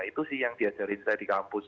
itu sih yang diajarin saya di kampus